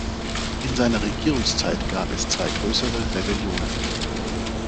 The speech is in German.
In seiner Regierungszeit gab es zwei größere Rebellionen.